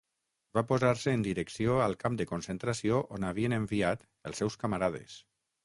Va posar-se en direcció al camp de concentració on havien enviat els seus camarades.